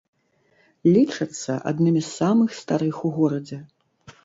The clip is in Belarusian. Лічацца аднымі з самых старых у горадзе.